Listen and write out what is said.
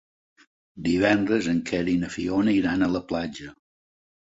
Divendres en Quer i na Fiona iran a la platja.